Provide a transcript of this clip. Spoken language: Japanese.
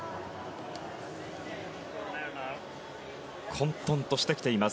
混沌としてきています